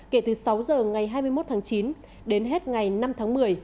kể từ sáu giờ ngày hai mươi một tháng chín đến hết ngày năm tháng một mươi